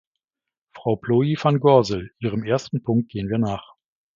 Frau Plooij-van Gorsel, Ihrem ersten Punkt gehen wir nach.